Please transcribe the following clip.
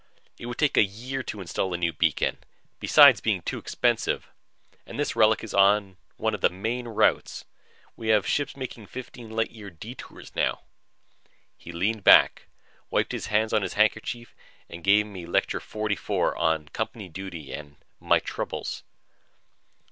"It would take a year to install a new beacon besides being too expensive and this relic is on one of the main routes. We have ships making fifteen light year detours now." He leaned back, wiped his hands on his handkerchief and gave me Lecture Forty four on Company Duty and My Troubles.